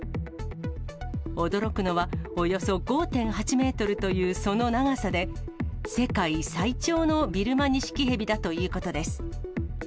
驚くのはおよそ５．８メートルというその長さで、世界最長のビルマニシキヘビだということです。